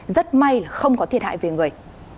rất may là không có thiệt hại về người